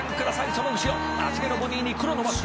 その後ろ」「芦毛のボディーに黒のマスク。